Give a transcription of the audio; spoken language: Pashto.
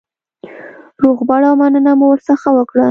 روغبړ او مننه مو ورڅخه وکړه.